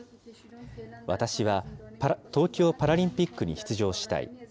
私は東京パラリンピックに出場したい。